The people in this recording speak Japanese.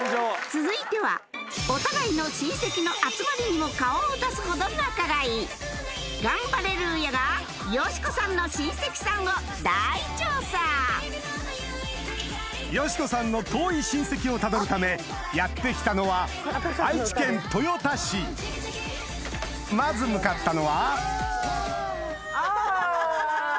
続いてはお互いの親戚の集まりにも顔を出すほど仲がいいよしこさんの遠い親戚をたどるためやって来たのはまず向かったのはアハハハ。